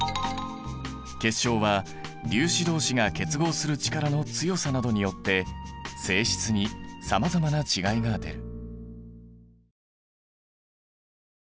結晶は粒子同士が結合する力の強さなどによって性質にさまざまな違いが出る。